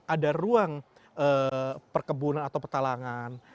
ada ruang perkebunan atau petalangan